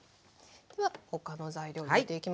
では他の材料を入れていきます。